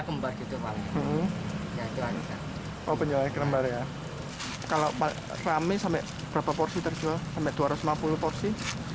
kembar gitu paling penjualan kembar ya kalau rame sampai berapa porsi terjual sampai dua ratus lima puluh porsi